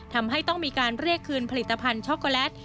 ทำให้ต้องมีการเรียกคืนผลิตภัณฑ์ช็อกโกแลต